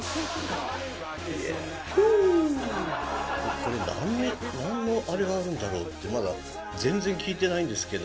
これ何の何のあれがあるんだろうってまだ全然聞いてないんですけど。